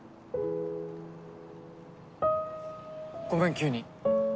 ごめん急に。